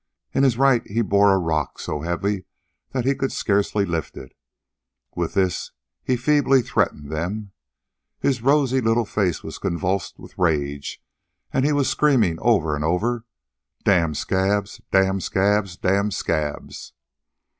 In his right he bore a rock so heavy that he could scarcely lift it. With this he feebly threatened them. His rosy little face was convulsed with rage, and he was screaming over and over "Dam scabs! Dam scabs! Dam scabs!"